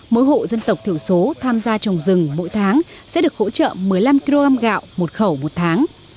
mỗi hộ dân tộc thiểu số tham gia trồng rừng mỗi tháng sẽ được hỗ trợ một mươi năm kg gạo một khẩu một tháng